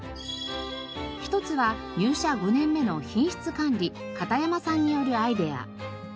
１つは入社５年目の品質管理片山さんによるアイデア。